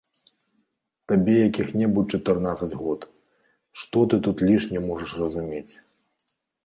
Табе якіх-небудзь чатырнаццаць год, што ты тут лішне можаш разумець.